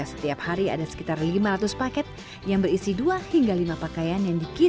setiap hari harus ada model baru mau jilbab ataupun baju